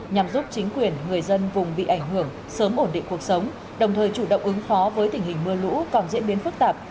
nhằm giúp chính quyền người dân vùng bị ảnh hưởng sớm ổn định cuộc sống đồng thời chủ động ứng phó với tình hình mưa lũ còn diễn biến phức tạp